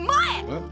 えっ？